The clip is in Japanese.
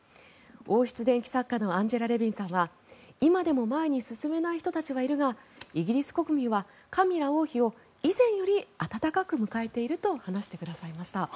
王室伝記作家のアンジェラ・レビンさんは今でも前に進めない人たちがいるがイギリス国民はカミラ王妃を以前より温かく迎えていると話してくださいました。